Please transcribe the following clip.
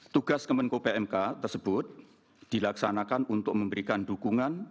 tugas kemenko pmk tersebut dilaksanakan untuk memberikan dukungan